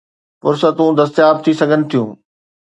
فرصتون دستياب ٿي سگهن ٿيون